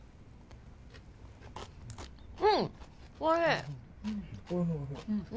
はい。